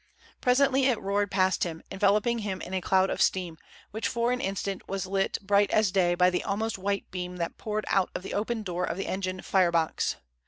Presently it roared past him, enveloping him in a cloud of steam, which for an instant was lit bright as day by the almost white beam that poured out of the open door of the engine firebox.